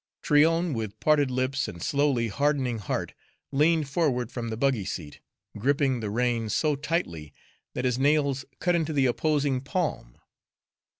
Tryon, with parted lips and slowly hardening heart, leaned forward from the buggy seat, gripping the rein so tightly that his nails cut into the opposing palm.